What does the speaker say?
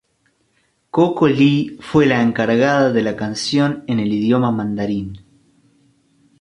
Coco Lee fue la encargada de la canción en el idioma mandarín.